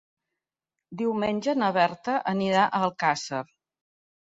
Diumenge na Berta anirà a Alcàsser.